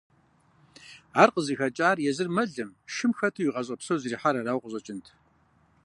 Ар къызыхэкӏар езыр мэлым, шым хэту и гъащӏэ псор зэрихьар арауэ къыщӏэкӏынт.